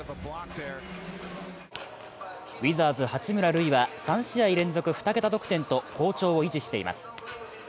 ウィザーズ・八村塁は３試合連続２桁得点と好調を維持しています。